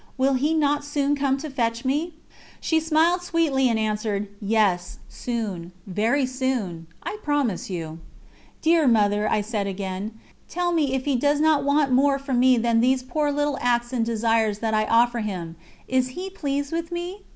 Will He not soon come to fetch me?" She smiled sweetly, and answered, "Yes, soon ... very soon ... I promise you." "Dear Mother," I asked again, "tell me if He does not want more from me than these poor little acts and desires that I offer Him. Is He pleased with me?"